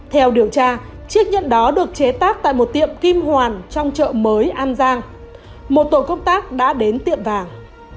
theo điều tra chiếc nhận đó được chế tác tại một tiệm kim hoàn trong chợ mới an giang một tổ công tác đã đến tiệm vàng